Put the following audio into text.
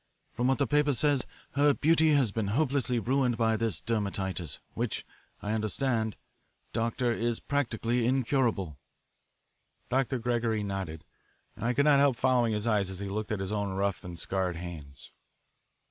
From what the paper says, her beauty has been hopelessly ruined by this dermatitis, which, I understand, Doctor, is practically incurable." Dr. Gregory nodded, and I could not help following his eyes as he looked at his own rough and scarred hands.